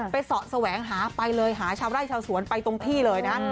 เสาะแสวงหาไปเลยหาชาวไร่ชาวสวนไปตรงที่เลยนะ